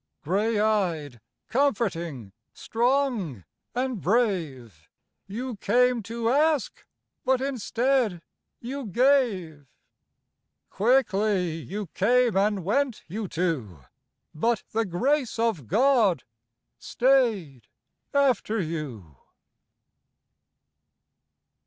Grey eyed, comforting, strong and brave, You came to ask but instead you Quickly you came and went, you two, But the Grace of God stayed after you.